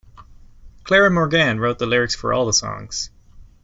Clara Morgane wrote the lyrics for all the songs.